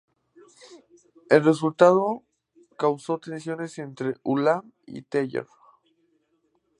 El resultado causó tensiones entre Ulam y Teller.